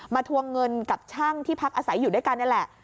มาทวงเงินกับช่างที่พักอาศัยอยู่ด้วยกัน